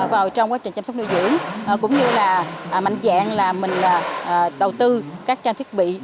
vào trong quá trình chăm sóc nuôi dưỡng cũng như là mạnh dạng là mình đầu tư các trang thiết bị